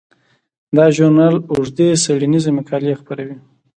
دا ژورنال اوږدې څیړنیزې مقالې خپروي.